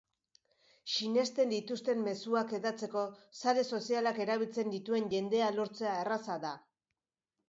Sinesten dituzten mezuak hedatzeko sare sozialak erabiltzen dituen jendea lortzea erraza da.